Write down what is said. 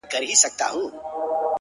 د د سترگو تور دې داسې تور وي’